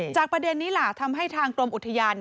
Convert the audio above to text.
ประเด็นนี้ล่ะทำให้ทางกรมอุทยาน